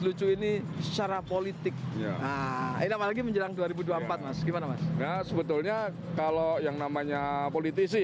lucu ini secara politik enak lagi menjelang dua ribu dua puluh empat mas gimana sebetulnya kalau yang namanya politisi